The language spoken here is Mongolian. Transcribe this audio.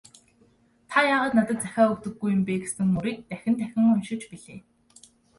"Та яагаад надад захиа өгдөггүй юм бэ» гэсэн мөрийг нь дахин дахин уншиж билээ.